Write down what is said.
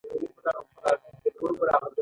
پنځم په کارونو باندې د نظارت اصل دی.